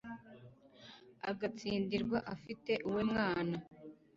agatsindirwa afite uwe mwana